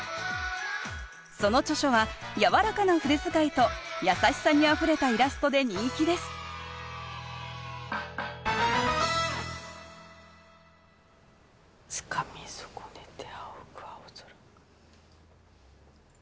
その著書はやわらかな筆遣いと優しさにあふれたイラストで人気です「つかみそこねて仰ぐ青空」。